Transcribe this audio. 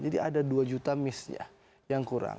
jadi ada dua juta missnya yang kurang